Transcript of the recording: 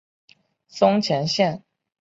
松前线。